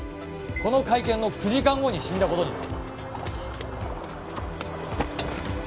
この会見の９時間後に死んだ事になる。